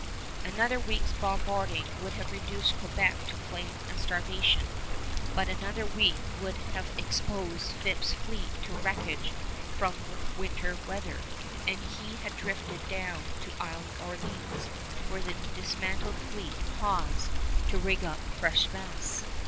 Another week's bombarding would have reduced Quebec to flame and starvation; but another week would have exposed Phips' fleet to wreckage from winter weather, and he had drifted down to Isle Orleans, where the dismantled fleet paused to rig up fresh masts.